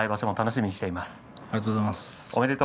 ありがとうございます。